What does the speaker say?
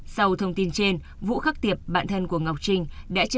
sau thông tin trên vũ khắc tiệp bạn thân của ngọc trinh